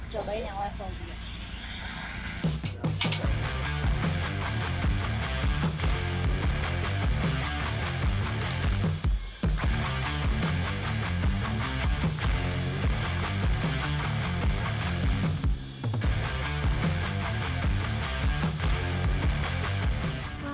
cobain yang level tiga